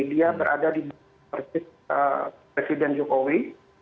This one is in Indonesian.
dia berada di persis presiden jokowi